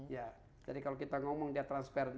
ya jadi kalau kita ngomong dia transparan